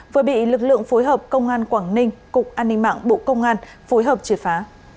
vừa bị lực lượng phối hợp công an quảng ninh cục an ninh mạng bộ công an phối hợp triệt phá